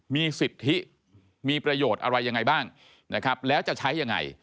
มีสิทธิมีประโยชน์อะไรยังไงบ้างนะครับแล้วจะใช้ยังไง